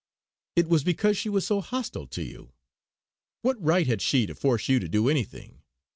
"It was because she was so hostile to you. What right had she to force you to do anything?